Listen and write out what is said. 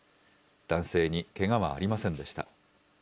男性にけがはありませんでした。